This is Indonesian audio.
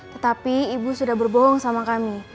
tetapi ibu sudah berbohong sama kami